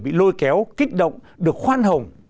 bị lôi kéo kích động được khoan hồng